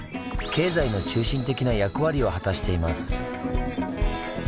経済の中心的な役割を果たしています。